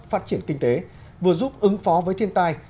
phát triển kinh tế vừa giúp ứng phó với thiên tai